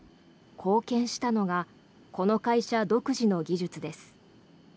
貢献したのがこの会社独自の技術です。